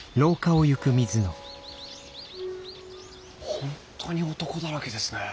本当に男だらけですね。